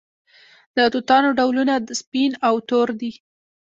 د توتانو ډولونه سپین او تور دي.